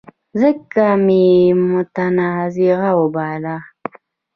ځکه مې متنازعه وباله.